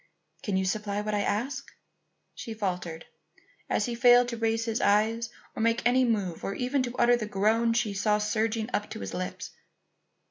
"Can you supply what I ask?" she faltered, as he failed to raise his eyes or make any move or even to utter the groan she saw surging up to his lips.